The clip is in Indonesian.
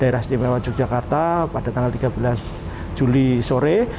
melewati yogyakarta pada tanggal tiga belas juli sore